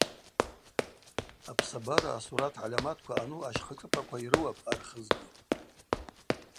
Апсабара асурат гӏальаматква ъану ащхъа шӏыпӏаква йрыуапӏ Архызгьи.